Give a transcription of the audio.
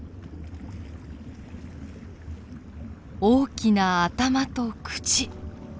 大きな頭と口。